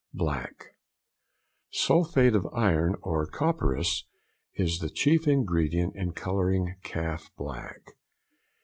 Black.—Sulphate of iron or copperas is the chief ingredient in colouring calf black.